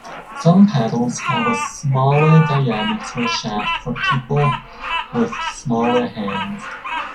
Some paddles have a smaller diameter shaft for people with smaller hands.